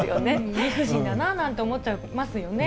理不尽だななんて思っちゃいますよね。